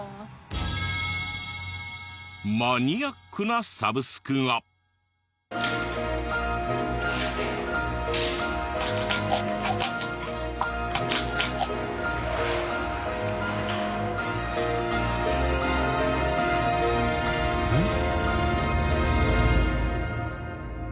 マニアックなサブスクが。えっ？